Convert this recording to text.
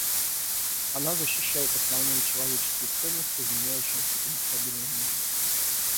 Она защищает основные человеческие ценности в меняющемся и нестабильном мире.